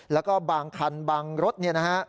แล้วก็บางคันบางรถเนี่ยนะฮะ